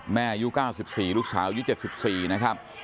อายุ๙๔ลูกสาวอายุ๗๔นะครับ